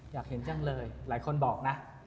อยากเห็นจังเลยหลายคนบอกนะ